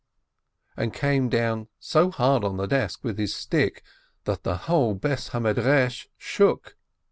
and came down so hard on the desk with his stick that the whole house of study shook.